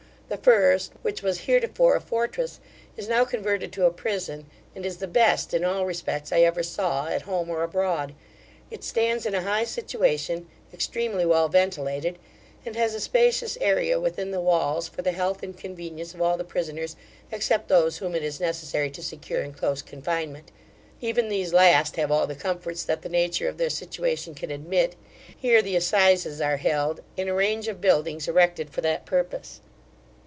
The first, which was heretofore a fortress, is now converted to a prison, and is the best, in all respects, I ever saw, at home or abroad It stands in a high situation, extremely well ventilated; and has a spacious area within the walls, for the health and convenience of all the prisoners except those whom it is necessary to secure in close confinement. Even these last have all the comforts that the nature of their situation can admit. Here the assizes are held, in a range of buildings erected for that purpose.